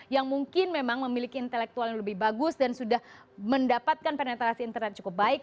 yang mungkin memang memiliki intelektual yang lebih bagus dan sudah mendapatkan penetrasi internet cukup baik